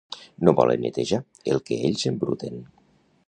No volen netejar el que ells embruten